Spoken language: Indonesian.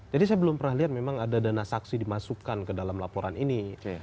jadi saya belum pernah lihat memang ada dana saksi dimasukkan ke dalam laporan ini